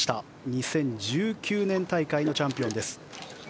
２０１９年大会のチャンピオンです。